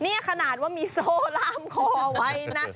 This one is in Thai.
นี่ขนาดว่ามีโซ่ล่ามคอไว้นะ